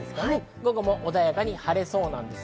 午後も穏やかに晴れそうです。